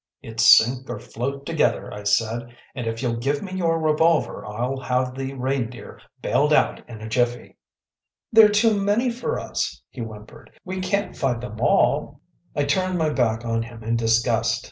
“It’s sink or float together,‚ÄĚ I said. “And if you’ll give me your revolver, I’ll have the Reindeer bailed out in a jiffy.‚ÄĚ “They’re too many for us,‚ÄĚ he whimpered. “We can’t fight them all.‚ÄĚ I turned my back on him in disgust.